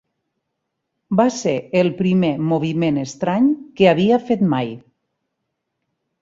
Va ser el primer moviment estrany que havia fet mai.